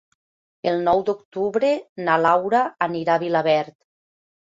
El nou d'octubre na Laura anirà a Vilaverd.